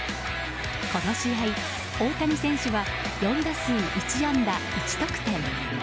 この試合、大谷選手は４打数１安打１得点。